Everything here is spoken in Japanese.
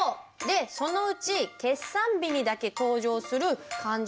でそのうち決算日にだけ登場する勘定科目は？